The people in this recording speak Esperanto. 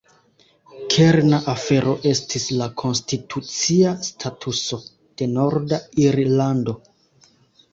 Kerna afero estis la konstitucia statuso de Norda Irlando.